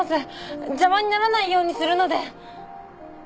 邪魔にならないようにするので！